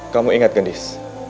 kamu ingat gedis